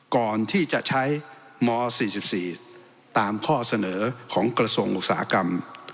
ก่อนที่จะใช้ม๔๔ตามข้อเสนอของกระทรวงอุตสาหกรรม